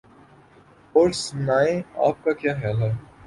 اور سنائیں آپ کا کیا حال ہے؟